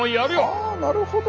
あなるほど！